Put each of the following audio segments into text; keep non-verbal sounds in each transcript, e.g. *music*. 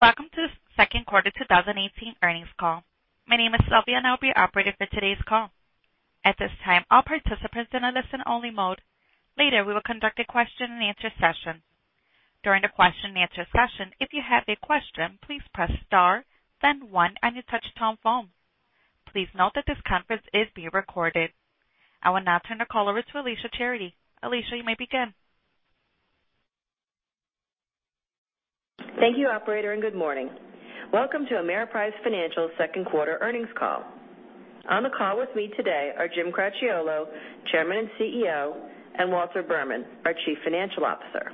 Welcome to the second quarter 2018 earnings call. My name is Sylvia, and I'll be your operator for today's call. At this time, all participants are in a listen only mode. Later, we will conduct a question and answer session. During the question and answer session, if you have a question, please press star, then one on your touchtone phone. Please note that this conference is being recorded. I will now turn the call over to Alicia Charity. Alicia, you may begin. Thank you, operator. Good morning. Welcome to Ameriprise Financial second quarter earnings call. On the call with me today are Jim Cracchiolo, Chairman and CEO, and Walter Berman, our Chief Financial Officer.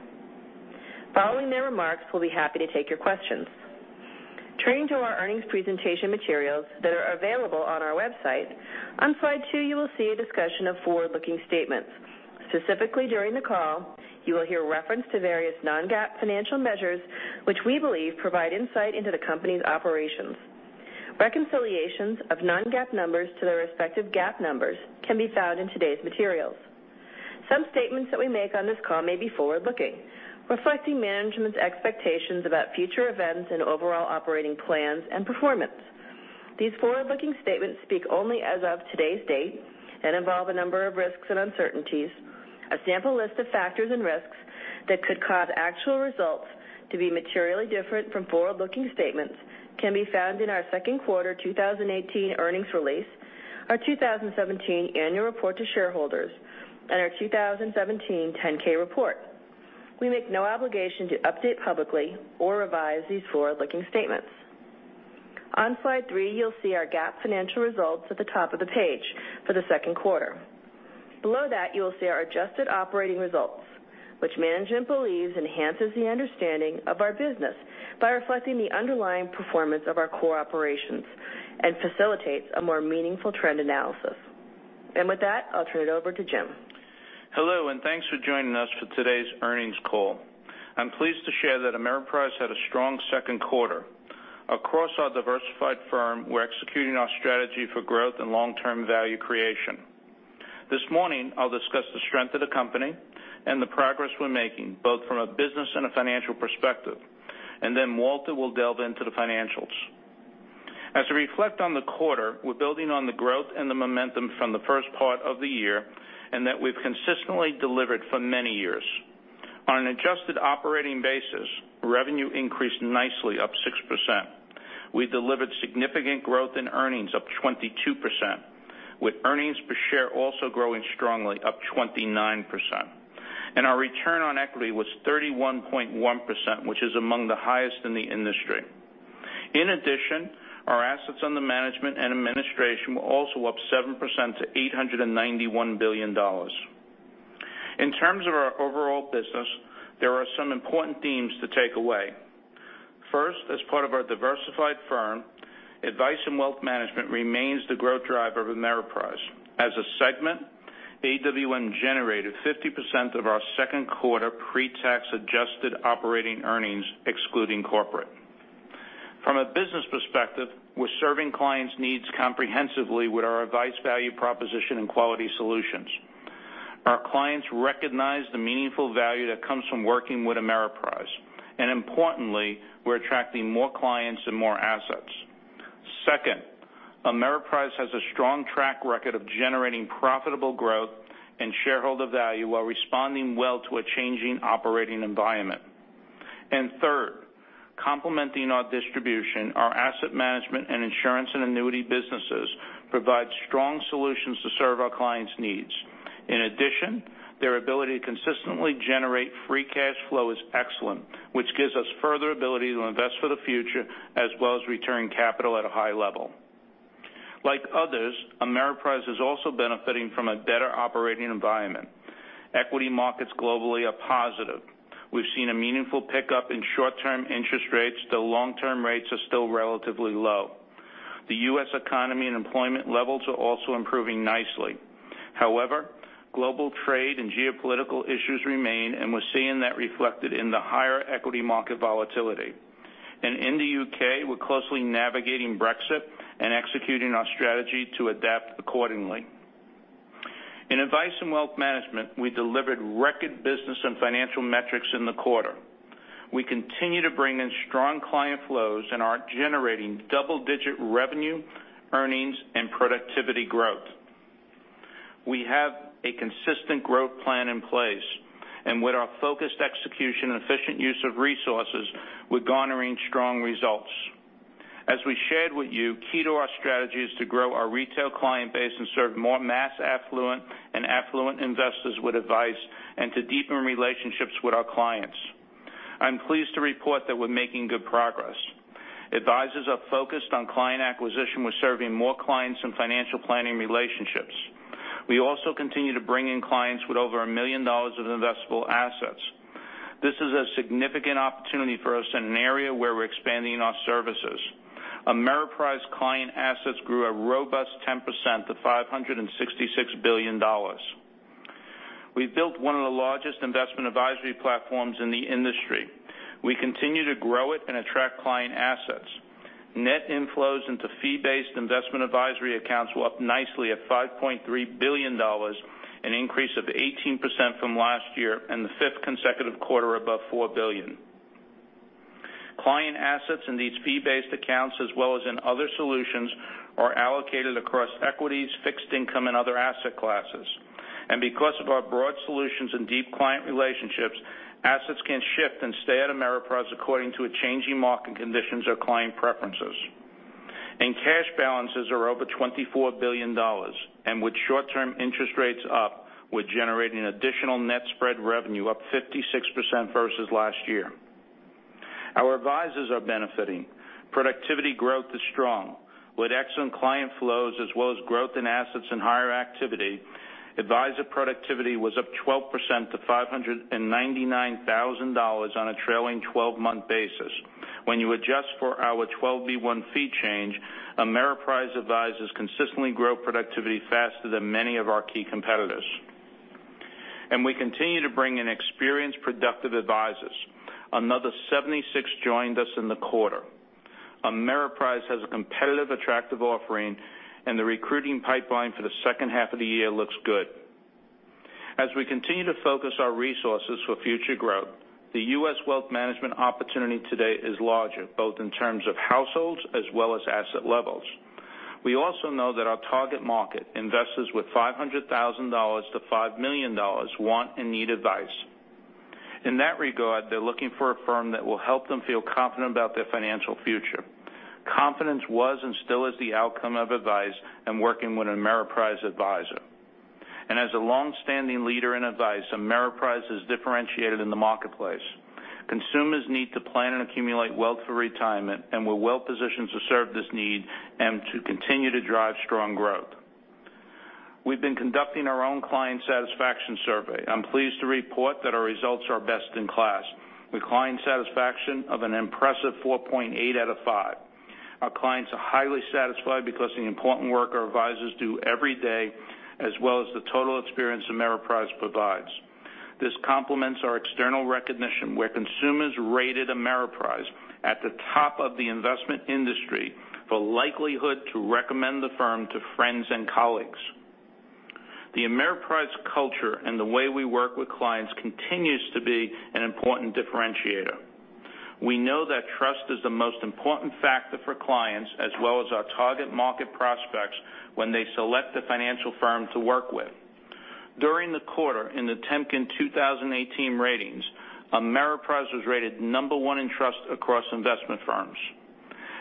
Following their remarks, we'll be happy to take your questions. Turning to our earnings presentation materials that are available on our website, on slide two you will see a discussion of forward-looking statements. Specifically during the call, you will hear reference to various non-GAAP financial measures, which we believe provide insight into the company's operations. Reconciliations of non-GAAP numbers to their respective GAAP numbers can be found in today's materials. Some statements that we make on this call may be forward-looking, reflecting management's expectations about future events and overall operating plans and performance. These forward-looking statements speak only as of today's date and involve a number of risks and uncertainties. A sample list of factors and risks that could cause actual results to be materially different from forward-looking statements can be found in our second quarter 2018 earnings release, our 2017 annual report to shareholders, and our 2017 10-K report. We make no obligation to update publicly or revise these forward-looking statements. On slide three, you'll see our GAAP financial results at the top of the page for the second quarter. Below that, you will see our adjusted operating results, which management believes enhances the understanding of our business by reflecting the underlying performance of our core operations and facilitates a more meaningful trend analysis. With that, I'll turn it over to Jim. Hello. Thanks for joining us for today's earnings call. I'm pleased to share that Ameriprise had a strong second quarter. Across our diversified firm, we're executing our strategy for growth and long-term value creation. This morning, I'll discuss the strength of the company and the progress we're making, both from a business and a financial perspective, and then Walter will delve into the financials. As we reflect on the quarter, we're building on the growth and the momentum from the first part of the year and that we've consistently delivered for many years. On an adjusted operating basis, revenue increased nicely, up 6%. We delivered significant growth in earnings, up 22%, with earnings per share also growing strongly, up 29%. Our return on equity was 31.1%, which is among the highest in the industry. In addition, our assets under management and administration were also up 7% to $891 billion. In terms of our overall business, there are some important themes to take away. First, as part of our diversified firm, Advice and Wealth Management remains the growth driver of Ameriprise. As a segment, AWM generated 50% of our second quarter pre-tax adjusted operating earnings, excluding corporate. From a business perspective, we're serving clients' needs comprehensively with our advice, value proposition, and quality solutions. Our clients recognize the meaningful value that comes from working with Ameriprise, importantly, we're attracting more clients and more assets. Second, Ameriprise has a strong track record of generating profitable growth and shareholder value while responding well to a changing operating environment. Third, complementing our distribution, our asset management and insurance and annuity businesses provide strong solutions to serve our clients' needs. In addition, their ability to consistently generate free cash flow is excellent, which gives us further ability to invest for the future as well as return capital at a high level. Like others, Ameriprise is also benefiting from a better operating environment. Equity markets globally are positive. We've seen a meaningful pickup in short-term interest rates, though long-term rates are still relatively low. The U.S. economy and employment levels are also improving nicely. However, global trade and geopolitical issues remain, and we're seeing that reflected in the higher equity market volatility. In the U.K., we're closely navigating Brexit and executing our strategy to adapt accordingly. In Advice and Wealth Management, we delivered record business and financial metrics in the quarter. We continue to bring in strong client flows and are generating double-digit revenue, earnings, and productivity growth. We have a consistent growth plan in place, and with our focused execution and efficient use of resources, we're garnering strong results. As we shared with you, key to our strategy is to grow our retail client base and serve more mass affluent and affluent investors with advice and to deepen relationships with our clients. I'm pleased to report that we're making good progress. Advisors are focused on client acquisition. We're serving more clients in financial planning relationships. We also continue to bring in clients with over $1 million of investable assets. This is a significant opportunity for us in an area where we're expanding our services. Ameriprise client assets grew a robust 10% to $566 billion. We've built one of the largest investment advisory platforms in the industry. We continue to grow it and attract client assets. Net inflows into fee-based investment advisory accounts were up nicely at $5.3 billion, an increase of 18% from last year and the fifth consecutive quarter above four billion. Client assets in these fee-based accounts, as well as in other solutions, are allocated across equities, fixed income, and other asset classes. Because of our broad solutions and deep client relationships, assets can shift and stay at Ameriprise according to changing market conditions or client preferences. Cash balances are over $24 billion. With short-term interest rates up, we're generating additional net spread revenue up 56% versus last year. Our advisors are benefiting. Productivity growth is strong. With excellent client flows as well as growth in assets and higher activity, advisor productivity was up 12% to $599,000 on a trailing 12-month basis. When you adjust for our 12b-1 fee change, Ameriprise advisors consistently grow productivity faster than many of our key competitors. We continue to bring in experienced, productive advisors. Another 76 joined us in the quarter. Ameriprise has a competitive, attractive offering, and the recruiting pipeline for the second half of the year looks good. As we continue to focus our resources for future growth, the U.S. wealth management opportunity today is larger, both in terms of households as well as asset levels. We also know that our target market, investors with $500,000 to $5 million, want and need advice. In that regard, they're looking for a firm that will help them feel confident about their financial future. Confidence was and still is the outcome of advice and working with an Ameriprise advisor. As a long-standing leader in advice, Ameriprise is differentiated in the marketplace. Consumers need to plan and accumulate wealth for retirement. We're well-positioned to serve this need and to continue to drive strong growth. We've been conducting our own client satisfaction survey. I'm pleased to report that our results are best in class, with client satisfaction of an impressive 4.8 out of five. Our clients are highly satisfied because of the important work our advisors do every day, as well as the total experience Ameriprise provides. This complements our external recognition, where consumers rated Ameriprise at the top of the investment industry for likelihood to recommend the firm to friends and colleagues. The Ameriprise culture and the way we work with clients continues to be an important differentiator. We know that trust is the most important factor for clients as well as our target market prospects when they select a financial firm to work with. During the quarter, in the Temkin 2018 ratings, Ameriprise was rated number one in trust across investment firms.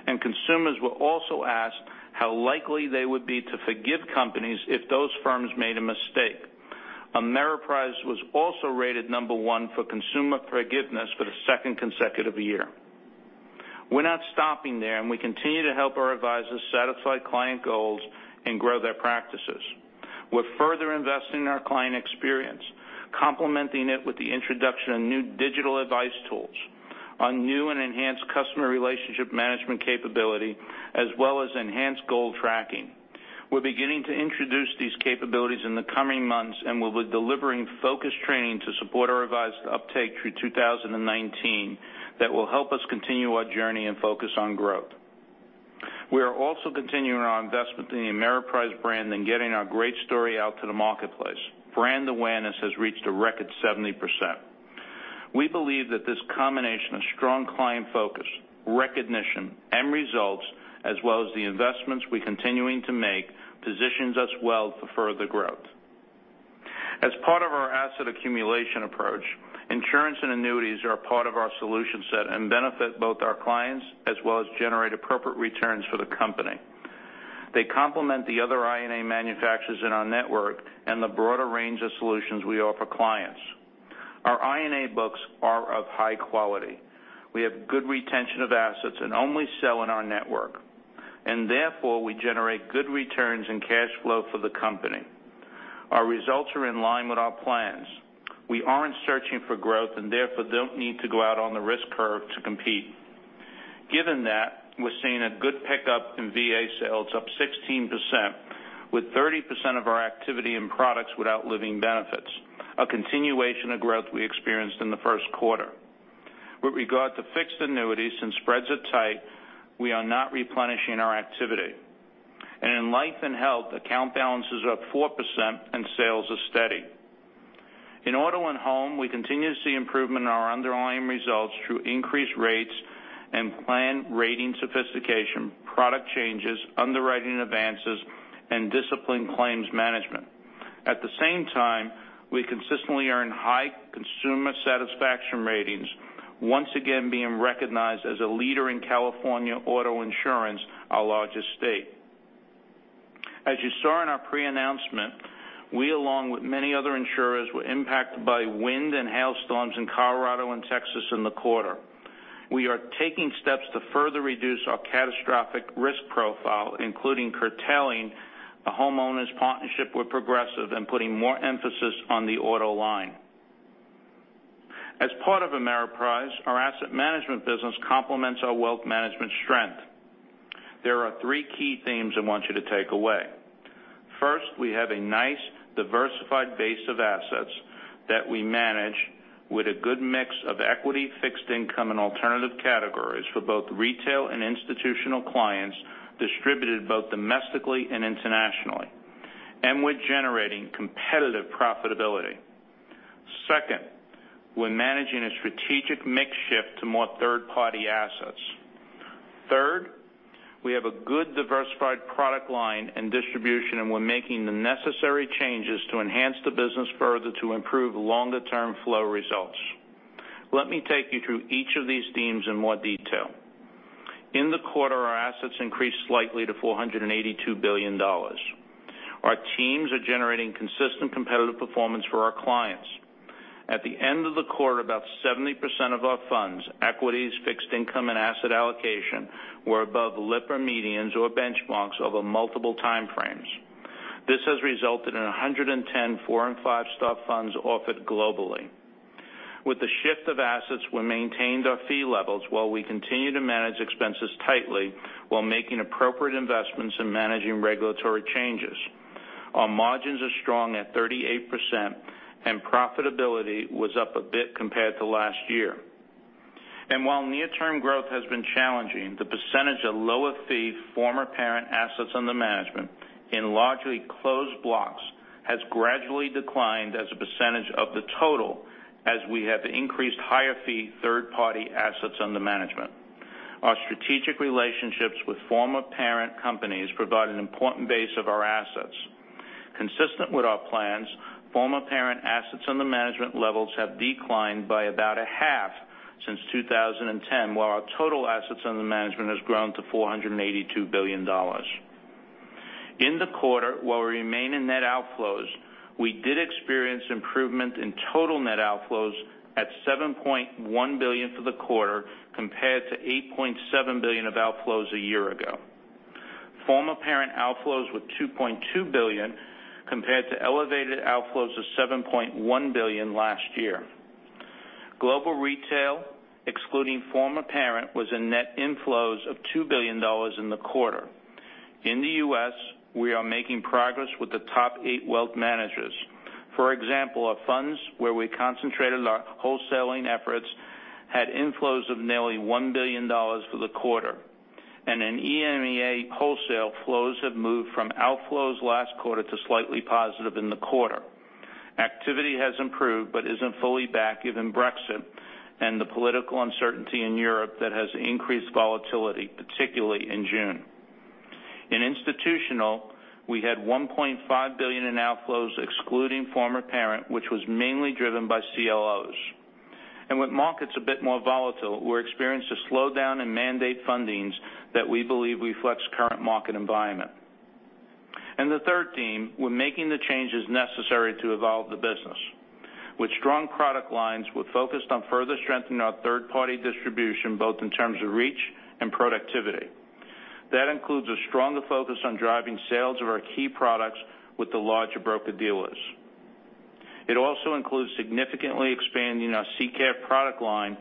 Consumers were also asked how likely they would be to forgive companies if those firms made a mistake. Ameriprise was also rated number one for consumer forgiveness for the second consecutive year. We're not stopping there. We continue to help our advisors satisfy client goals and grow their practices. We're further investing in our client experience, complementing it with the introduction of new digital advice tools, our new and enhanced customer relationship management capability, as well as enhanced goal tracking. We're beginning to introduce these capabilities in the coming months. We'll be delivering focused training to support our advisor uptake through 2019 that will help us continue our journey and focus on growth. We are also continuing our investment in the Ameriprise brand and getting our great story out to the marketplace. Brand awareness has reached a record 70%. We believe that this combination of strong client focus, recognition, and results, as well as the investments we're continuing to make, positions us well for further growth. As part of our asset accumulation approach, insurance and annuities are a part of our solution set and benefit both our clients as well as generate appropriate returns for the company. They complement the other INA manufacturers in our network and the broader range of solutions we offer clients. Our INA books are of high quality. We have good retention of assets and only sell in our network. Therefore, we generate good returns and cash flow for the company. Our results are in line with our plans. We aren't searching for growth and therefore don't need to go out on the risk curve to compete. Given that, we're seeing a good pickup in VA sales, up 16%, with 30% of our activity in products without living benefits, a continuation of growth we experienced in the first quarter. In life and health, account balance is up 4% and sales are steady. In auto and home, we continue to see improvement in our underlying results through increased rates and plan rating sophistication, product changes, underwriting advances, and disciplined claims management. At the same time, we consistently earn high consumer satisfaction ratings, once again being recognized as a leader in California auto insurance, our largest state. As you saw in our pre-announcement, we along with many other insurers, were impacted by wind and hailstorms in Colorado and Texas in the quarter. We are taking steps to further reduce our catastrophic risk profile, including curtailing a homeowners partnership with Progressive and putting more emphasis on the auto line. As part of Ameriprise, our asset management business complements our wealth management strength. There are three key themes I want you to take away. First, we have a nice diversified base of assets that we manage with a good mix of equity, fixed income, and alternative categories for both retail and institutional clients, distributed both domestically and internationally. We're generating competitive profitability. Second, we're managing a strategic mix shift to more third-party assets. Third, we have a good diversified product line and distribution, and we're making the necessary changes to enhance the business further to improve longer term flow results. Let me take you through each of these themes in more detail. In the quarter, our assets increased slightly to $482 billion. Our teams are generating consistent competitive performance for our clients. At the end of the quarter, about 70% of our funds, equities, fixed income, and asset allocation, were above the Lipper medians or benchmarks over multiple time frames. This has resulted in 110 four and five-star funds offered globally. With the shift of assets, we maintained our fee levels while we continue to manage expenses tightly while making appropriate investments in managing regulatory changes. Our margins are strong at 38%, and profitability was up a bit compared to last year. While near-term growth has been challenging, the percentage of lower fee former parent assets under management in largely closed blocks has gradually declined as a percentage of the total as we have increased higher fee third-party assets under management. Our strategic relationships with former parent companies provide an important base of our assets. Consistent with our plans, former parent assets under management levels have declined by about a half since 2010, while our total assets under management has grown to $482 billion. In the quarter, while we remain in net outflows, we did experience improvement in total net outflows at $7.1 billion for the quarter compared to $8.7 billion of outflows a year ago. Former parent outflows were $2.2 billion compared to elevated outflows of $7.1 billion last year. Global retail, excluding former parent, was in net inflows of $2 billion in the quarter. In the U.S., we are making progress with the top eight wealth managers. For example, our funds where we concentrated our wholesaling efforts had inflows of nearly $1 billion for the quarter. In EMEA, wholesale flows have moved from outflows last quarter to slightly positive in the quarter. Activity has improved, but isn't fully back given Brexit and the political uncertainty in Europe that has increased volatility, particularly in June. In institutional, we had $1.5 billion in outflows excluding former parent, which was mainly driven by CLOs. With markets a bit more volatile, we experienced a slowdown in mandate fundings that we believe reflects current market environment. The third theme, we're making the changes necessary to evolve the business. With strong product lines, we're focused on further strengthening our third-party distribution, both in terms of reach and productivity. That includes a stronger focus on driving sales of our key products with the larger broker-dealers. It also includes significantly expanding our CCA product line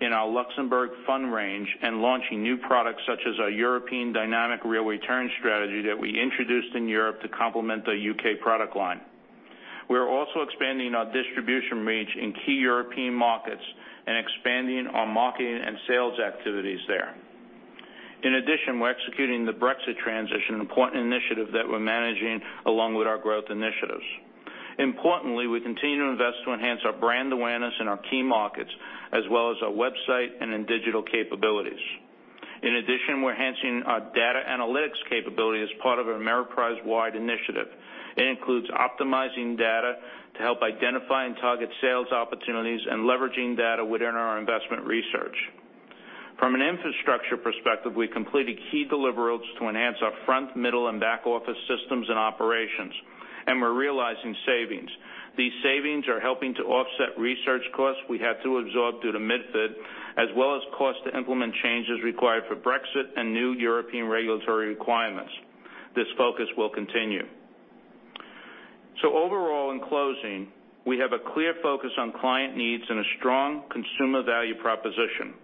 in our Luxembourg fund range and launching new products such as our European dynamic real return strategy that we introduced in Europe to complement the U.K. product line. We are also expanding our distribution reach in key European markets and expanding our marketing and sales activities there. In addition, we're executing the Brexit transition, an important initiative that we're managing along with our growth initiatives. Importantly, we continue to invest to enhance our brand awareness in our key markets as well as our website and in digital capabilities. In addition, we're enhancing our data analytics capability as part of an Ameriprise-wide initiative. It includes optimizing data to help identify and target sales opportunities and leveraging data within our investment research. From an infrastructure perspective, we completed key deliverables to enhance our front, middle, and back-office systems and operations, and we're realizing savings. These savings are helping to offset research costs we had to absorb due to MiFID, as well as costs to implement changes required for Brexit and new European regulatory requirements. This focus will continue. Overall, in closing, we have a clear focus on client needs and a strong consumer value proposition.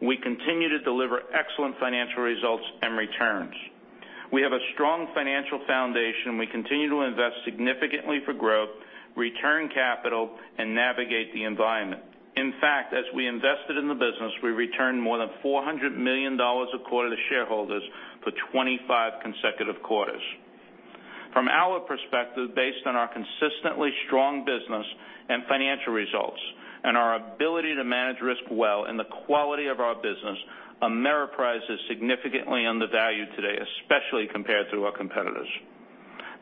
We continue to deliver excellent financial results and returns. We have a strong financial foundation. We continue to invest significantly for growth, return capital, and navigate the environment. In fact, as we invested in the business, we returned more than $400 million a quarter to shareholders for 25 consecutive quarters. From our perspective, based on our consistently strong business and financial results and our ability to manage risk well and the quality of our business, Ameriprise is significantly undervalued today, especially compared to our competitors.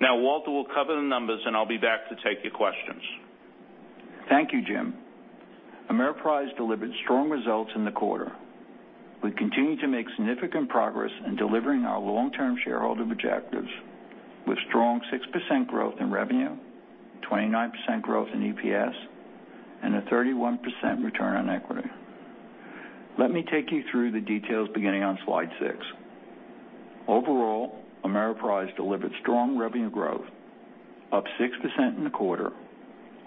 Now, Walter will cover the numbers and I'll be back to take your questions. Thank you, Jim. Ameriprise delivered strong results in the quarter. We continue to make significant progress in delivering our long-term shareholder objectives with strong 6% growth in revenue, 29% growth in EPS, and a 31% return on equity. Let me take you through the details beginning on slide six. Overall, Ameriprise delivered strong revenue growth Up 6% in the quarter,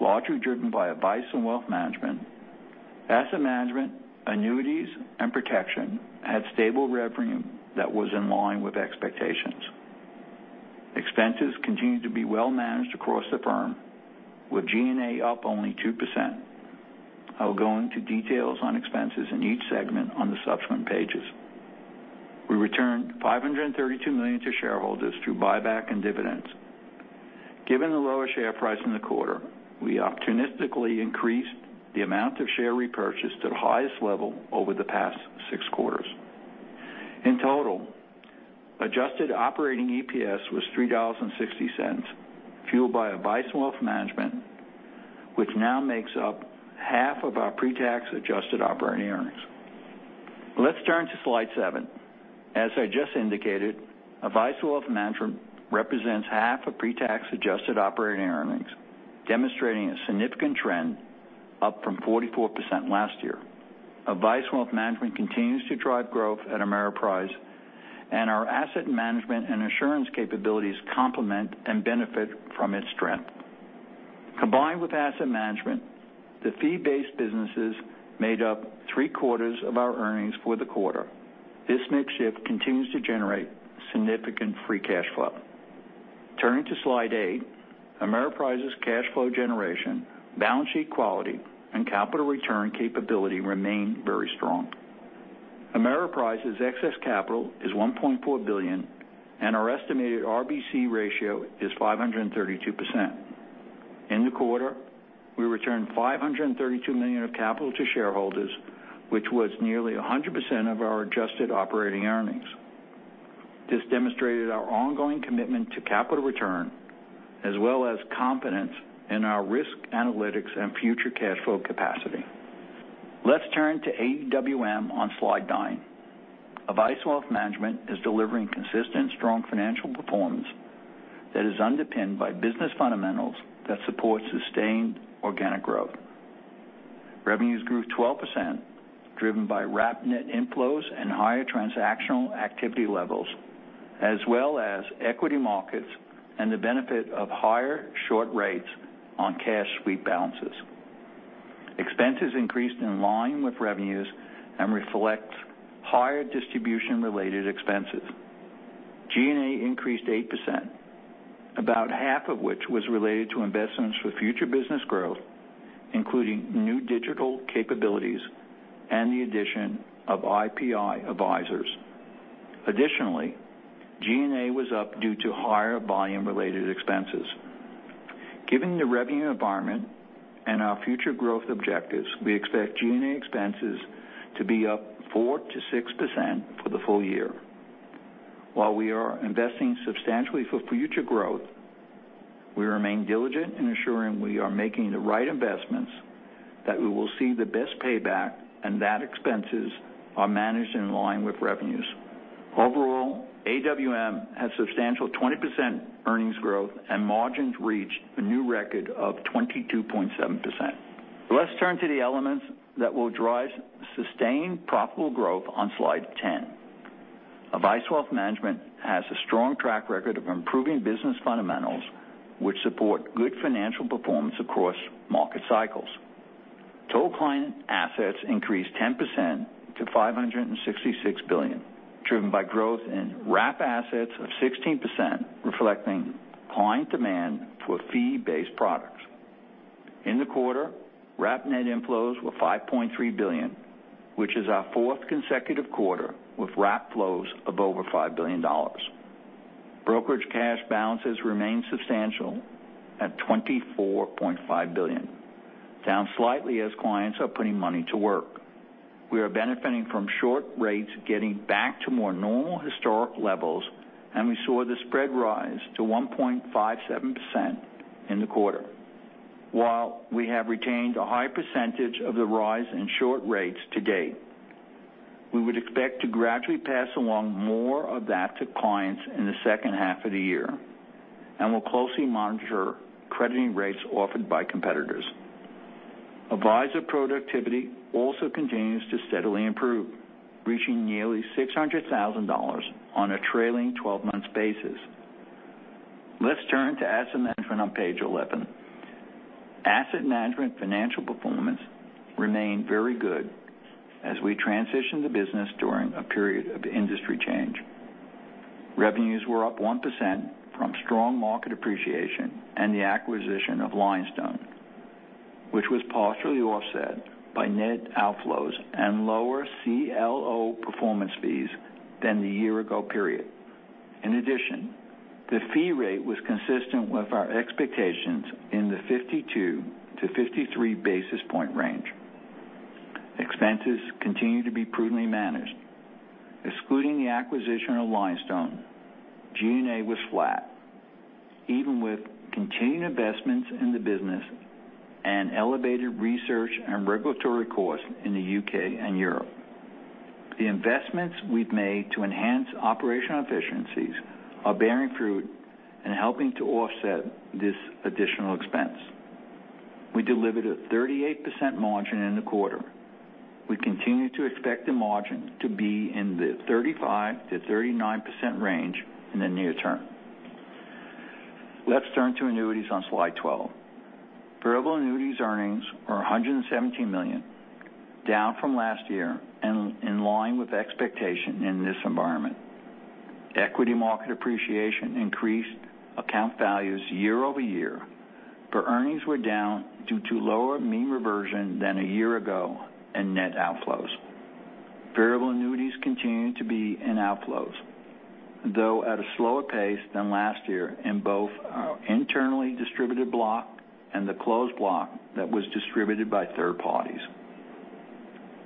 largely driven by Advice and Wealth Management. Asset management, annuities, and protection had stable revenue that was in line with expectations. Expenses continued to be well managed across the firm, with G&A up only 2%. I'll go into details on expenses in each segment on the subsequent pages. We returned $532 million to shareholders through buyback and dividends. Given the lower share price in the quarter, we opportunistically increased the amount of share repurchase to the highest level over the past six quarters. In total, adjusted operating EPS was $3.60, fueled by Advice and Wealth Management, which now makes up half of our pre-tax adjusted operating earnings. Let's turn to slide seven. As I just indicated, Advice and Wealth Management represents half of pre-tax adjusted operating earnings, demonstrating a significant trend, up from 44% last year. Advice and Wealth Management continues to drive growth at Ameriprise, and our asset management and insurance capabilities complement and benefit from its strength. Combined with asset management, the fee-based businesses made up three-quarters of our earnings for the quarter. This mix shift continues to generate significant free cash flow. Turning to slide eight, Ameriprise's cash flow generation, balance sheet quality, and capital return capability remain very strong. Ameriprise's excess capital is $1.4 billion, and our estimated RBC ratio is 532%. In the quarter, we returned $532 million of capital to shareholders, which was nearly 100% of our adjusted operating earnings. This demonstrated our ongoing commitment to capital return, as well as confidence in our risk analytics and future cash flow capacity. Let's turn to AWM on slide nine. Advice and Wealth Management is delivering consistent strong financial performance that is underpinned by business fundamentals that support sustained organic growth. Revenues grew 12%, driven by wrap net inflows and higher transactional activity levels, as well as equity markets and the benefit of higher short rates on cash sweep balances. Expenses increased in line with revenues and reflect higher distribution-related expenses. G&A increased 8%, about half of which was related to investments for future business growth, including new digital capabilities and the addition of IPI advisors. Additionally, G&A was up due to higher volume-related expenses. Given the revenue environment and our future growth objectives, we expect G&A expenses to be up 4%-6% for the full year. While we are investing substantially for future growth, we remain diligent in ensuring we are making the right investments, that we will see the best payback, and that expenses are managed in line with revenues. Overall, AWM had substantial 20% earnings growth, and margins reached a new record of 22.7%. Let's turn to the elements that will drive sustained profitable growth on slide 10. Advice and Wealth Management has a strong track record of improving business fundamentals, which support good financial performance across market cycles. Total client assets increased 10% to $566 billion, driven by growth in wrap assets of 16%, reflecting client demand for fee-based products. In the quarter, wrap net inflows were $5.3 billion, which is our fourth consecutive quarter with wrap flows of over $5 billion. Brokerage cash balances remain substantial at $24.5 billion, down slightly as clients are putting money to work. We are benefiting from short rates getting back to more normal historic levels, and we saw the spread rise to 1.57% in the quarter. While we have retained a high percentage of the rise in short rates to date, we would expect to gradually pass along more of that to clients in the second half of the year, and we will closely monitor crediting rates offered by competitors. Advisor productivity also continues to steadily improve, reaching nearly $600,000 on a trailing 12-months basis. Let's turn to Asset Management on page 11. Asset Management financial performance remained very good as we transitioned the business during a period of industry change. Revenues were up 1% from strong market appreciation and the acquisition of Lionstone, which was partially offset by net outflows and lower CLO performance fees than the year-ago period. In addition, the fee rate was consistent with our expectations in the 52 to 53 basis point range. Expenses continue to be prudently managed. Excluding the acquisition of Lionstone, G&A was flat, even with continued investments in the business and elevated research and regulatory costs in the U.K. and Europe. The investments we have made to enhance operational efficiencies are bearing fruit and helping to offset this additional expense. We delivered a 38% margin in the quarter. We continue to expect the margin to be in the 35%-39% range in the near term. Let's turn to Annuities on slide 12. Variable Annuities earnings are $117 million, down from last year and in line with expectation in this environment. Equity market appreciation increased account values year-over-year, but earnings were down due to lower mean reversion than a year ago and net outflows. Variable Annuities continue to be in outflows, though at a slower pace than last year in both our internally distributed block and the closed block that was distributed by third parties.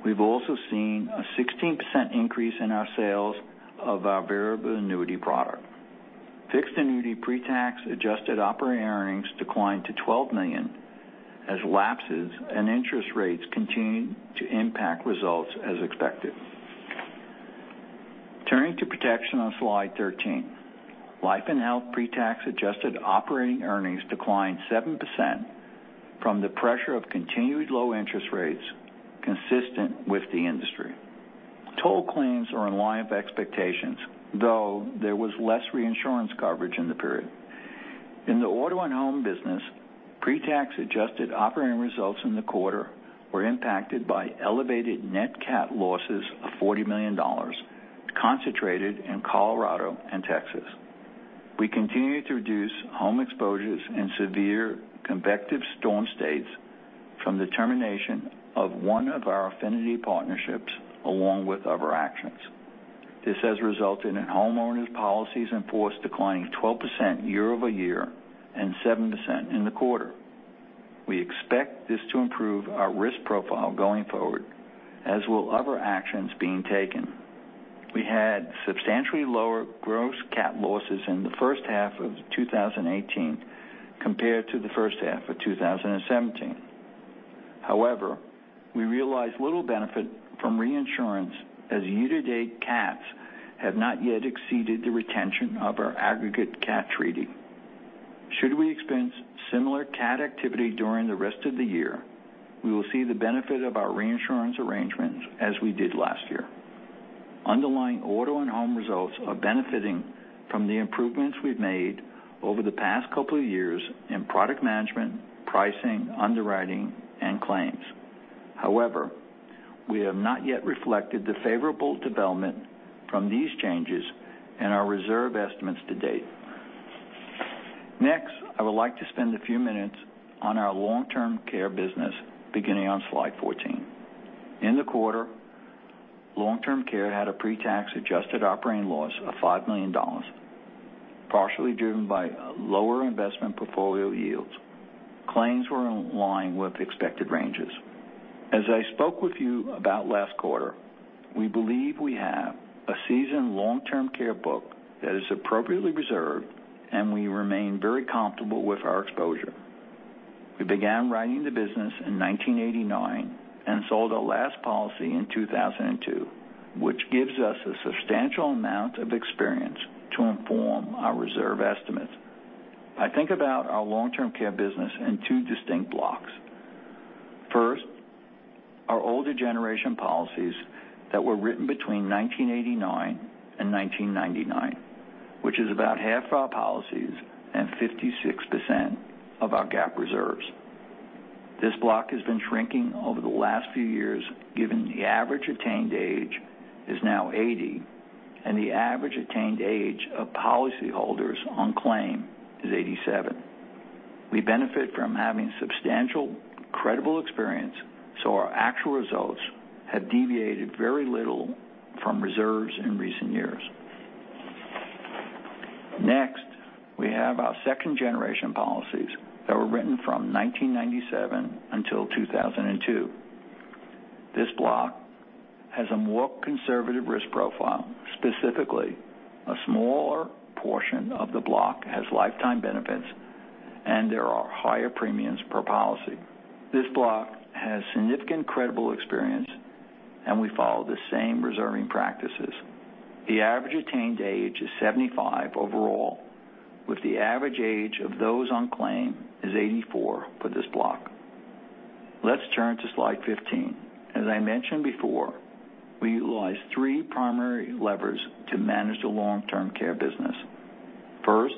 We have also seen a 16% increase in our sales of our variable annuity product. Fixed Annuity pretax adjusted operating earnings declined to $12 million as lapses and interest rates continue to impact results as expected. Turning to Protection on slide 13. Life and Health pretax adjusted operating earnings declined 7% from the pressure of continued low interest rates consistent with the industry. Total claims are in line with expectations, though there was less reinsurance coverage in the period. In the auto and home business, pretax adjusted operating results in the quarter were impacted by elevated net cat losses of $40 million, concentrated in Colorado and Texas. We continue to reduce home exposures in severe convective storm states from the termination of one of our affinity partnerships along with other actions. This has resulted in homeowners policies in force declining 12% year-over-year and 7% in the quarter. We expect this to improve our risk profile going forward, as will other actions being taken. We had substantially lower gross cat losses in the first half of 2018 compared to the first half of 2017. However, we realized little benefit from reinsurance as year-to-date cats have not yet exceeded the retention of our aggregate cat treaty. Should we experience similar cat activity during the rest of the year, we will see the benefit of our reinsurance arrangements as we did last year. Underlying auto and home results are benefiting from the improvements we've made over the past couple of years in product management, pricing, underwriting, and claims. However, we have not yet reflected the favorable development from these changes in our reserve estimates to date. Next, I would like to spend a few minutes on our long-term care business beginning on slide 14. In the quarter, long-term care had a pretax adjusted operating loss of $5 million, partially driven by lower investment portfolio yields. Claims were in line with expected ranges. As I spoke with you about last quarter, we believe we have a seasoned long-term care book that is appropriately reserved, and we remain very comfortable with our exposure. We began writing the business in 1989 and sold our last policy in 2002, which gives us a substantial amount of experience to inform our reserve estimates. I think about our long-term care business in two distinct blocks. First, our older generation policies that were written between 1989 and 1999, which is about half of our policies and 56% of our GAAP reserves. This block has been shrinking over the last few years, given the average attained age is now 80 and the average attained age of policyholders on claim is 87. We benefit from having substantial credible experience, so our actual results have deviated very little from reserves in recent years. Next, we have our second-generation policies that were written from 1997 until 2002. This block has a more conservative risk profile, specifically, a smaller portion of the block has lifetime benefits, and there are higher premiums per policy. This block has significant credible experience, and we follow the same reserving practices. The average attained age is 75 overall, with the average age of those on claim is 84 for this block. Let's turn to slide 15. As I mentioned before, we utilize three primary levers to manage the long-term care business. First,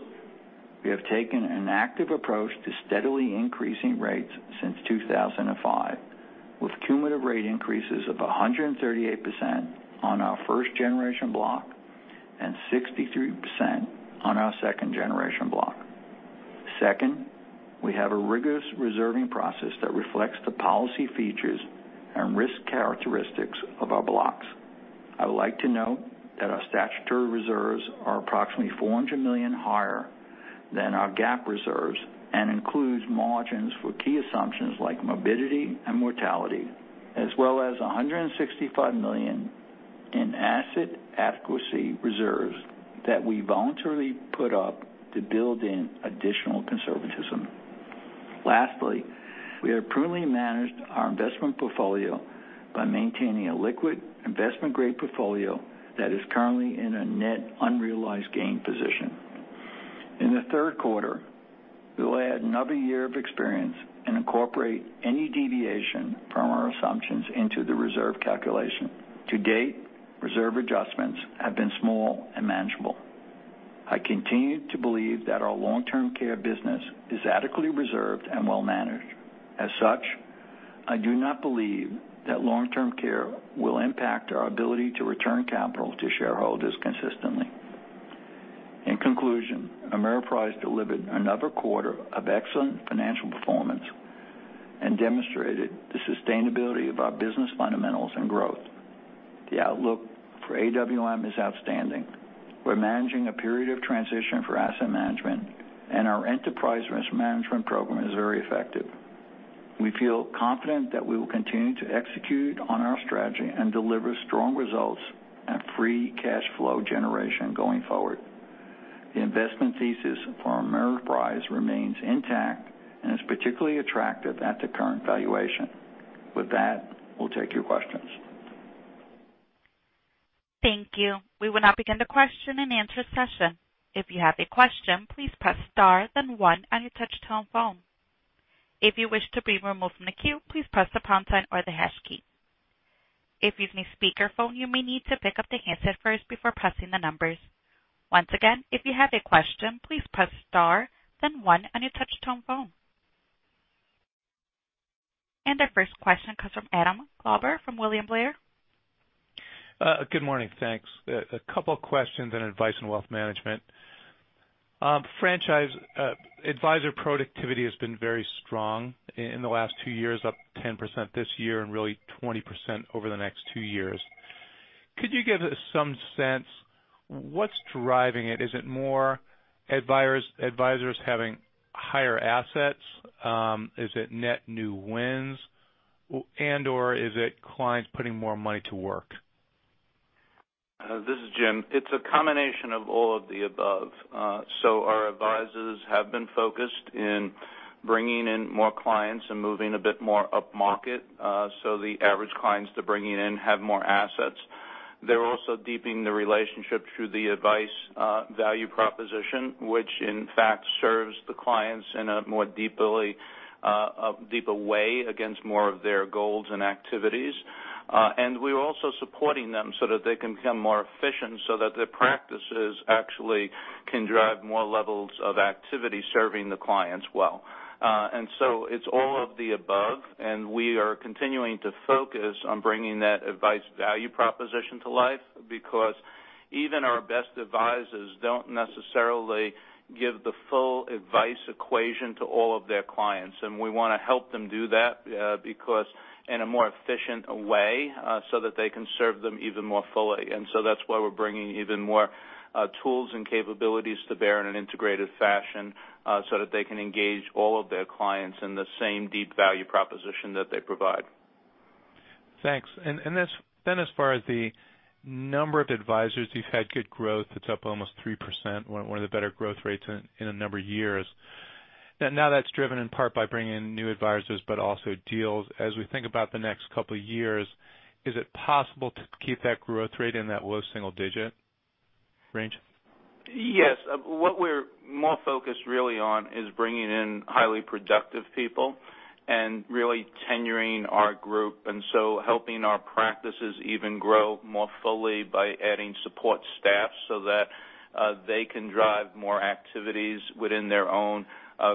we have taken an active approach to steadily increasing rates since 2005, with cumulative rate increases of 138% on our first-generation block and 63% on our second-generation block. Second, we have a rigorous reserving process that reflects the policy features and risk characteristics of our blocks. I would like to note that our statutory reserves are approximately $400 million higher than our GAAP reserves and includes margins for key assumptions like morbidity and mortality, as well as $165 million in asset adequacy reserves that we voluntarily put up to build in additional conservatism. Lastly, we have prudently managed our investment portfolio by maintaining a liquid investment-grade portfolio that is currently in a net unrealized gain position. In the third quarter, we'll add another year of experience and incorporate any deviation from our assumptions into the reserve calculation. To date, reserve adjustments have been small and manageable. I continue to believe that our long-term care business is adequately reserved and well-managed. As such, I do not believe that long-term care will impact our ability to return capital to shareholders consistently. In conclusion, Ameriprise delivered another quarter of excellent financial performance and demonstrated the sustainability of our business fundamentals and growth. The outlook for AWM is outstanding. We're managing a period of transition for asset management, and our enterprise risk management program is very effective. We feel confident that we will continue to execute on our strategy and deliver strong results and free cash flow generation going forward. The investment thesis for Ameriprise remains intact and is particularly attractive at the current valuation. With that, we'll take your questions. Thank you. We will now begin the question and answer session. If you have a question, please press star then one on your touch-tone phone. If you wish to be removed from the queue, please press the pound sign or the hash key. If you're using a speakerphone, you may need to pick up the handset first before pressing the numbers. Once again, if you have a question, please press star then one on your touch-tone phone. Our first question comes from Adam Klauber from William Blair. Good morning. Thanks. A couple of questions on Advice and Wealth Management. Advisor productivity has been very strong in the last two years, up 10% this year and really 20% over the next two years. Could you give us some sense, what's driving it? Is it more advisors having higher assets? Is it net new wins and/or is it clients putting more money to work? This is Jim. It's a combination of all of the above. Our advisors have been focused in bringing in more clients and moving a bit more upmarket so the average clients they're bringing in have more assets. They're also deepening the relationship through the advice value proposition, which in fact serves the clients in a deeper way against more of their goals and activities. We're also supporting them so that they can become more efficient so that their practices actually can drive more levels of activity serving the clients well. It's all of the above, and we are continuing to focus on bringing that advice value proposition to life because even our best advisors don't necessarily give the full advice equation to all of their clients. We want to help them do that in a more efficient way so that they can serve them even more fully. That's why we're bringing even more tools and capabilities to bear in an integrated fashion so that they can engage all of their clients in the same deep value proposition that they provide. Thanks. As far as the number of advisors, you've had good growth. It's up almost 3%, one of the better growth rates in a number of years. That's driven in part by bringing in new advisors but also deals. As we think about the next couple of years, is it possible to keep that growth rate in that low single-digit range? Yes. What we're more focused really on is bringing in highly productive people and really tenuring our group, helping our practices even grow more fully by adding support staff so that they can drive more activities within their own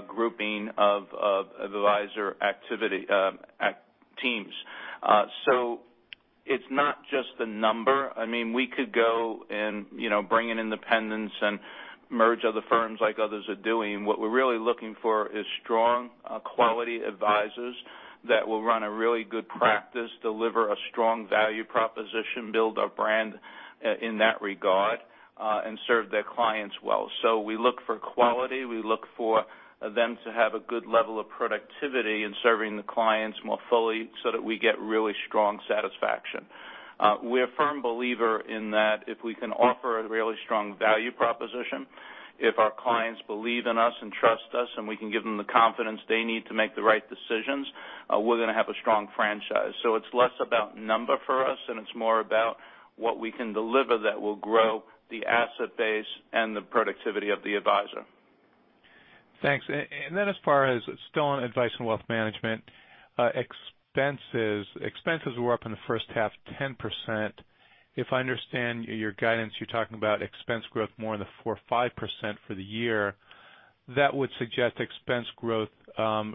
grouping of advisor teams. It's not just the number. We could go and bring in independents and merge other firms like others are doing. What we're really looking for is strong quality advisors that will run a really good practice, deliver a strong value proposition, build our brand in that regard, and serve their clients well. We look for quality. We look for them to have a good level of productivity in serving the clients more fully so that we get really strong satisfaction. We're a firm believer in that if we can offer a really strong value proposition, if our clients believe in us and trust us and we can give them the confidence they need to make the right decisions, we're going to have a strong franchise. It's less about number for us, and it's more about what we can deliver that will grow the asset base and the productivity of the advisor. Thanks. As far as still on Advice and Wealth Management, expenses were up in the first half 10%. If I understand your guidance, you're talking about expense growth more in the 4% or 5% for the year. That would suggest expense growth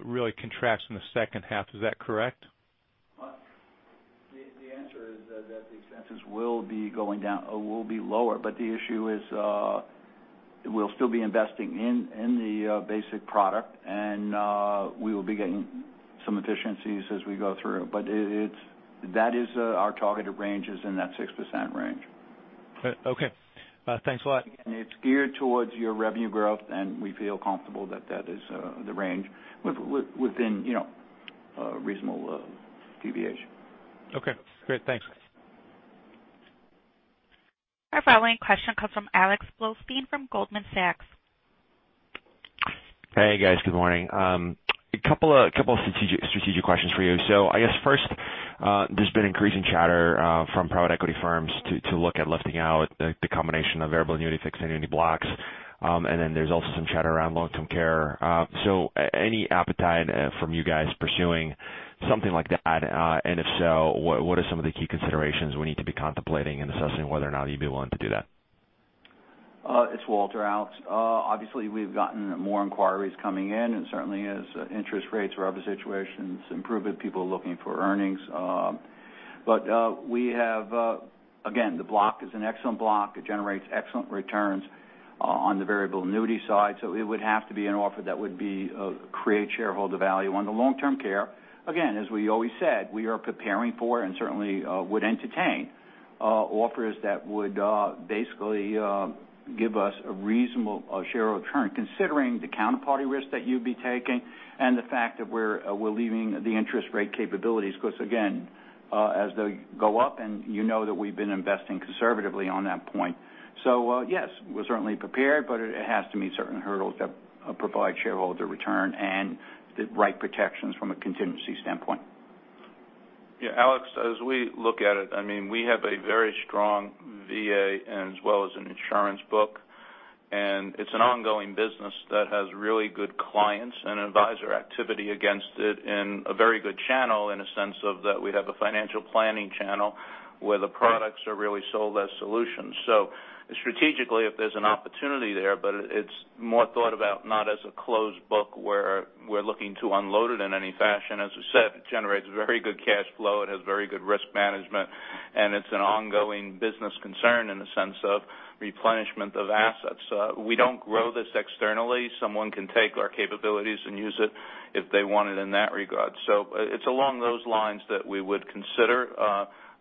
really contracts in the second half. Is that correct? The answer is that the expenses will be lower, the issue is we'll still be investing in the basic product and we will be getting some efficiencies as we go through. Our targeted range is in that 6% range. Okay. Thanks a lot. It's geared towards your revenue growth, and we feel comfortable that that is the range within reasonable deviation. Okay, great. Thanks. Our following question comes from Alex Blostein from Goldman Sachs. Hey guys, good morning. A couple of strategic questions for you. I guess first, there's been increasing chatter from private equity firms to look at lifting out the combination of variable annuity, fixed annuity blocks. Then there's also some chatter around long-term care. Any appetite from you guys pursuing something like that? If so, what are some of the key considerations we need to be contemplating in assessing whether or not you'd be willing to do that? Walter. Alex. Obviously, we've gotten more inquiries coming in, and certainly as interest rates, *inaudible* improve, people are looking for earnings. Again, the block is an excellent block. It generates excellent returns on the variable annuity side. It would have to be an offer that would create shareholder value. On the long-term care, again, as we always said, we are preparing for and certainly would entertain offers that would basically give us a reasonable share of return, considering the counterparty risk that you'd be taking and the fact that we're leaving the interest rate capabilities. Again, as they go up, and you know that we've been investing conservatively on that point. Yes, we're certainly prepared, but it has to meet certain hurdles that provide shareholder return and the right protections from a contingency standpoint. Alex, as we look at it, we have a very strong VA as well as an insurance book, and it's an ongoing business that has really good clients and advisor activity against it, and a very good channel in a sense of that we have a financial planning channel where the products are really sold as solutions. Strategically, if there's an opportunity there, but it's more thought about not as a closed book where we're looking to unload it in any fashion. As I said, it generates very good cash flow, it has very good risk management, and it's an ongoing business concern in the sense of replenishment of assets. We don't grow this externally. Someone can take our capabilities and use it if they want it in that regard. It's along those lines that we would consider,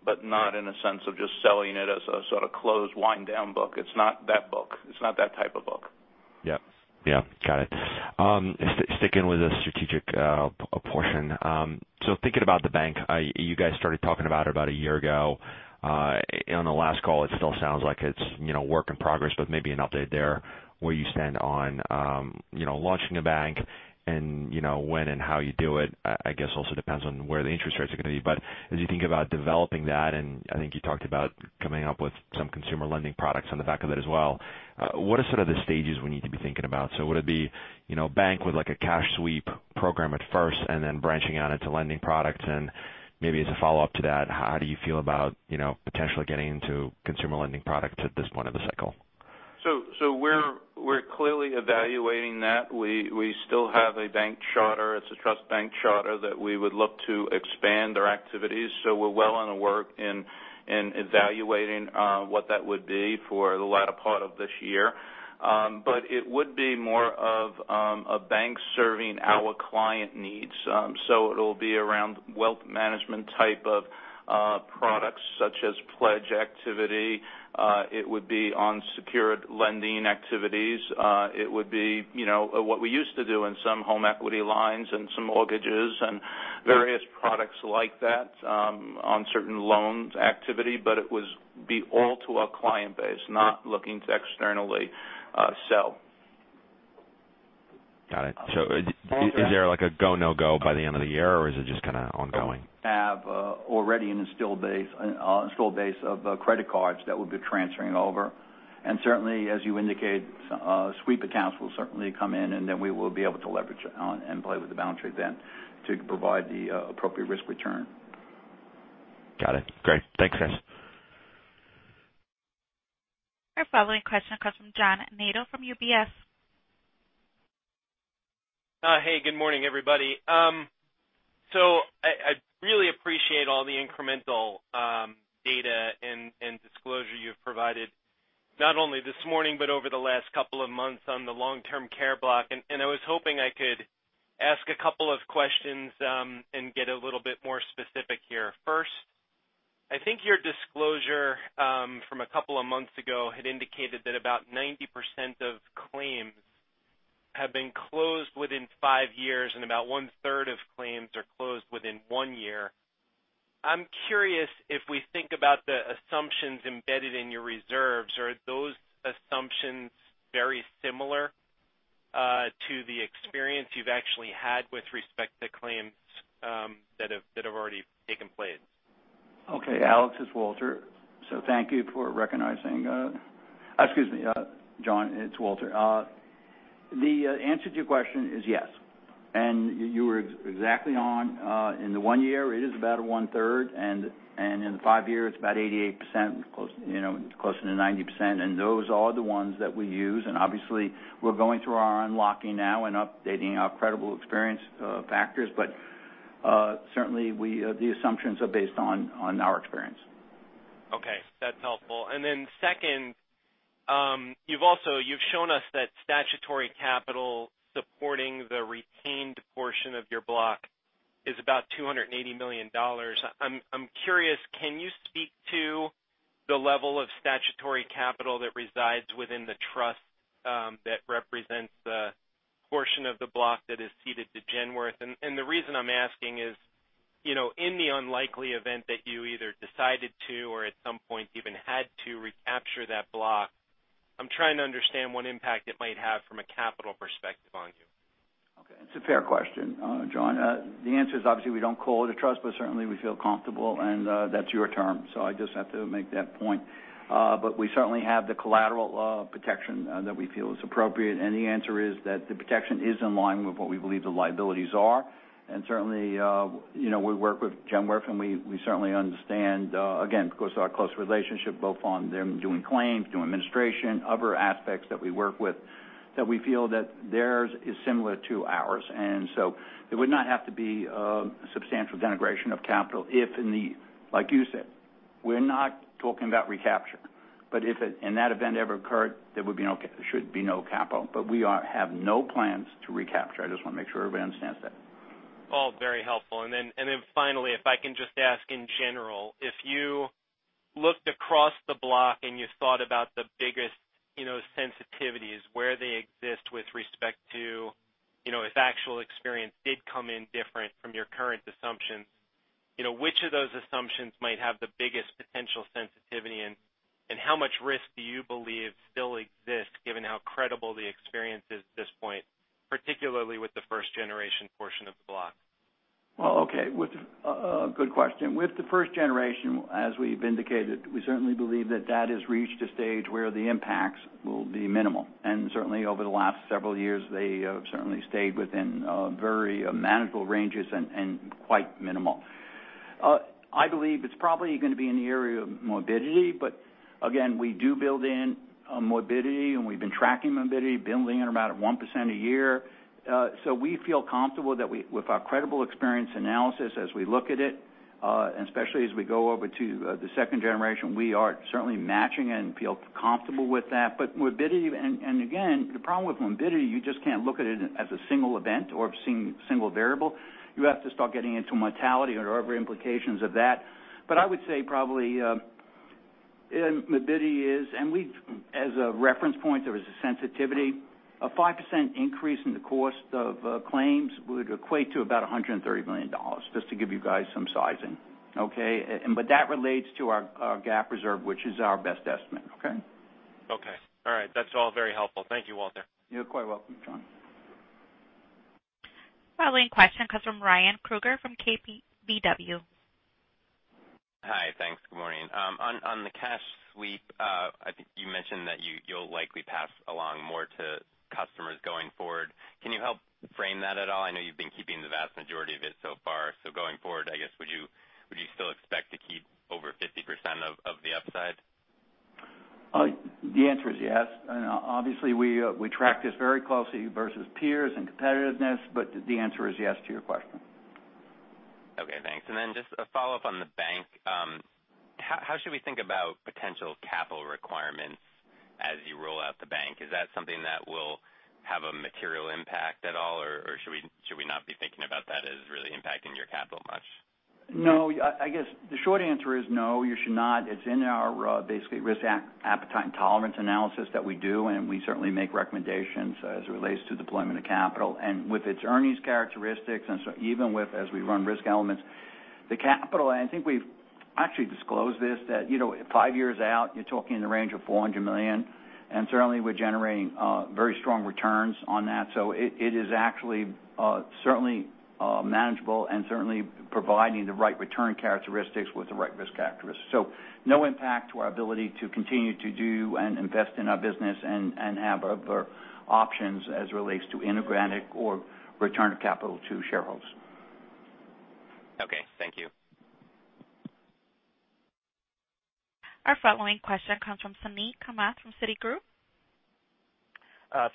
but not in a sense of just selling it as a sort of closed wind down book. It's not that book. It's not that type of book. Got it. Sticking with the strategic portion. Thinking about the bank, you guys started talking about it about a year ago. On the last call, it still sounds like it's work in progress, but maybe an update there where you stand on launching a bank and when and how you do it, I guess also depends on where the interest rates are going to be. As you think about developing that, and I think you talked about coming up with some consumer lending products on the back of that as well, what are sort of the stages we need to be thinking about? Would it be a bank with like a cash sweep program at first, and then branching out into lending products? Maybe as a follow-up to that, how do you feel about potentially getting into consumer lending products at this point of the cycle? We're clearly evaluating that. We still have a bank charter. It's a trust bank charter that we would look to expand our activities. We're well on the work in evaluating what that would be for the latter part of this year. It would be more of a bank serving our client needs. It'll be around wealth management type of products such as pledge activity. It would be on secured lending activities. It would be what we used to do in some home equity lines and some mortgages and various products like that on certain loans activity. It would be all to our client base, not looking to externally sell. Got it. Is there like a go, no-go by the end of the year or is it just kind of ongoing? We have already an installed base of credit cards that we'll be transferring over. Certainly, as you indicate, sweep accounts will certainly come in, and then we will be able to leverage on and play with the balance sheet then to provide the appropriate risk return. Got it. Great. Thanks, guys. Our following question comes from John Nadel from UBS. Hey, good morning, everybody. I really appreciate all the incremental data and disclosure you've provided, not only this morning but over the last couple of months on the long-term care block. I was hoping I could ask a couple of questions, and get a little bit more specific here. First, I think your disclosure from a couple of months ago had indicated that about 90% of claims have been closed within five years, and about one-third of claims are closed within one year. I'm curious if we think about the assumptions embedded in your reserves. Are those assumptions very similar to the experience you've actually had with respect to claims that have already taken place? Okay, Alex, it's Walter. Thank you for recognizing. Excuse me, John, it's Walter. The answer to your question is yes. You were exactly on. In the one year, it is about one-third, in the five year, it's about 88%, closer to 90%. Those are the ones that we use. Obviously, we're going through our unlocking now and updating our credible experience factors. Certainly, the assumptions are based on our experience. Okay, that's helpful. Second, you've shown us that statutory capital supporting the retained portion of your block is about $280 million. I'm curious, can you speak to the level of statutory capital that resides within the trust that represents the portion of the block that is ceded to Genworth? The reason I'm asking is In the unlikely event that you either decided to, or at some point even had to recapture that block, I'm trying to understand what impact it might have from a capital perspective on you. Okay. It's a fair question, John. The answer is obviously we don't call it a trust, but certainly we feel comfortable, and that's your term. I just have to make that point. We certainly have the collateral protection that we feel is appropriate. The answer is that the protection is in line with what we believe the liabilities are. Certainly, we work with Genworth and we certainly understand, again, because our close relationship, both on them doing claims, doing administration, other aspects that we work with, that we feel that theirs is similar to ours. It would not have to be a substantial denigration of capital if in the, like you said, we're not talking about recapture. If in that event ever occurred, there should be no capital. We have no plans to recapture. I just want to make sure everyone understands that. Finally, if I can just ask in general, if you looked across the block and you thought about the biggest sensitivities, where they exist with respect to if actual experience did come in different from your current assumptions, which of those assumptions might have the biggest potential sensitivity and how much risk do you believe still exists given how credible the experience is at this point, particularly with the first-generation portion of the block? Okay. Good question. With the first-generation, as we've indicated, we certainly believe that that has reached a stage where the impacts will be minimal. Certainly over the last several years, they have certainly stayed within very manageable ranges and quite minimal. I believe it's probably going to be in the area of morbidity, but again, we do build in morbidity, and we've been tracking morbidity, building in about 1% a year. We feel comfortable that with our credible experience analysis as we look at it, and especially as we go over to the second-generation, we are certainly matching and feel comfortable with that. Morbidity, and again, the problem with morbidity, you just can't look at it as a single event or single variable. You have to start getting into mortality or other implications of that. I would say probably morbidity is, and as a reference point, there is a sensitivity. A 5% increase in the cost of claims would equate to about $130 million, just to give you guys some sizing. Okay? That relates to our GAAP reserve, which is our best estimate. Okay? Okay. All right. That's all very helpful. Thank you, Walter. You're quite welcome, John. Following question comes from Ryan Krueger from KBW. Hi, thanks. Good morning. On the cash sweep, I think you mentioned that you'll likely pass along more to customers going forward. Can you help frame that at all? I know you've been keeping the vast majority of it so far. Going forward, I guess, would you still expect to keep over 50% of the upside? The answer is yes. Obviously, we track this very closely versus peers and competitiveness, but the answer is yes to your question. Okay, thanks. Just a follow-up on the bank. How should we think about potential capital requirements as you roll out the bank? Is that something that will have a material impact at all, or should we not be thinking about that as really impacting your capital much? No, I guess the short answer is no, you should not. It's in our basically risk appetite and tolerance analysis that we do, and we certainly make recommendations as it relates to deployment of capital. With its earnings characteristics, even with as we run risk elements, the capital, I think we've actually disclosed this, that five years out, you're talking in the range of $400 million, and certainly we're generating very strong returns on that. It is actually certainly manageable and certainly providing the right return characteristics with the right risk characteristics. No impact to our ability to continue to do and invest in our business and have other options as it relates to integrated or return of capital to shareholders. Okay, thank you. Our following question comes from Suneet Kamath from Citigroup.